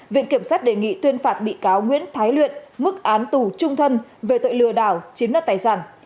viện kiểm sát đề nghị tuyên phạt bị cáo nguyễn thái luyện mức án tù trung thân về tội lừa đảo chiếm đoạt tài sản